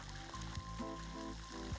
setelah ikan matang alam liar dikawal